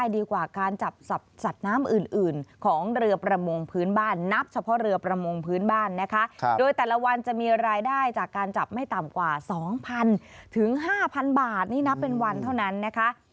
โดยแต่ละวันจะมีรายได้จากการจับไม่ต่ำกว่า๒๐๐๐ถึง๕๐๐บาทนี่นับเป็นวันเท่านั้นนะคะ